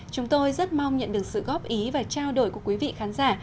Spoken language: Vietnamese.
chúng tôi rất mong nhận được sự góp ý và trao đổi của quý vị khán giả